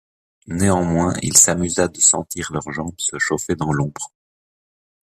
Néanmoins il s'amusa de sentir leurs jambes se chauffer dans l'ombre.